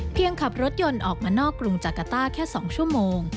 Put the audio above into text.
ขับรถยนต์ออกมานอกกรุงจากาต้าแค่๒ชั่วโมง